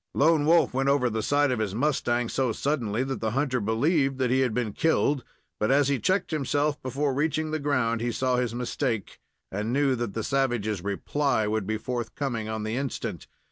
Lone Wolf went over the side of his mustang so suddenly that the hunter believed he had been killed; but, as he checked himself before reaching the ground, he saw his mistake, and knew that the savage's "reply" would be forthcoming on the instant.